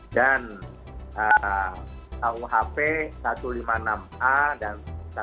dan auhp satu ratus lima puluh enam a dan satu ratus lima puluh enam